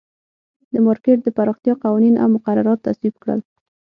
د مارکېټ د پراختیا قوانین او مقررات تصویب کړل.